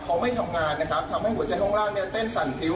เขาไม่ทำงานนะครับทำให้หัวใจข้างล่างเนี่ยเต้นสั่นพริ้ว